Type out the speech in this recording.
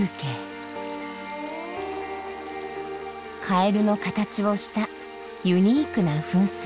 カエルの形をしたユニークな噴水。